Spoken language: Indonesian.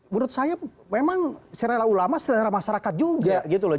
menurut saya memang selera ulama selera masyarakat juga